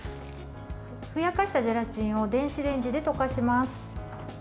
ふやかしたゼラチンを電子レンジで溶かします。